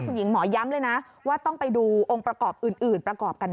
คุณหญิงหมอย้ำเลยนะว่าต้องไปดูองค์ประกอบอื่นประกอบกันด้วย